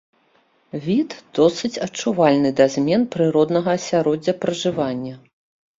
Від досыць адчувальны да змен прыроднага асяроддзя пражывання.